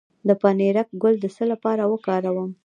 د پنیرک ګل د څه لپاره وکاروم؟